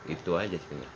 itu aja sebenarnya